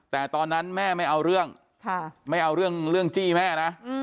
แต่ตอนนั้นแม่ไม่เอาเรื่องไม่เอาเรื่องจี้แม่นะ